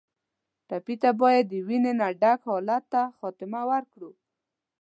ټپي ته باید د وینې نه ډک حالت ته خاتمه ورکړو.